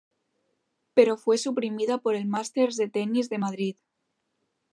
Pero fue suprimida por el Masters de tenis de Madrid.